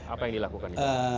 apa yang dilakukan